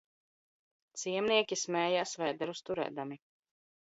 Ciemnieki sm?j?s, v?derus tur?dami.